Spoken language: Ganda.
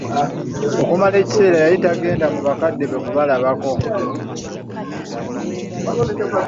Okumala ekiseera yali tegenda mu bakadde be okubalabako.